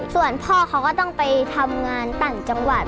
ส่วนพ่อเขาก็ต้องไปทำงานต่างจังหวัด